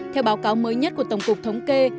theo báo cáo mới nhất của tổng cục thống kê